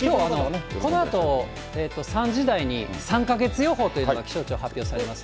このあと、３時台に３か月予報というのが、気象庁、発表されます。